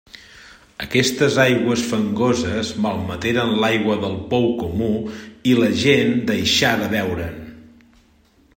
Aquestes aigües fangoses malmeteren l'aigua del pou comú i la gent deixà de beure'n.